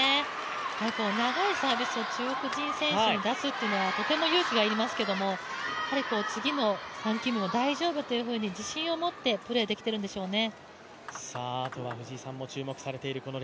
長いサービスを中国人選手が出すというのはとても勇気がいりますけど次の３球目も大丈夫というふうに自信を持ってプレーできているんでしょうね。